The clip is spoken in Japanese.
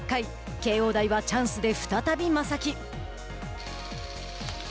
慶應大はチャンスで再び正木。